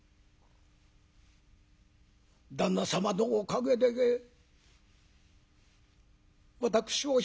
旦那様のおかげで私を拾い上げ